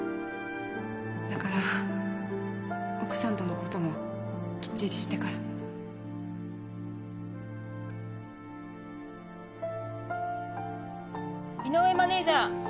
だから奥さんとのこともきっちりしてから井上マネジャー。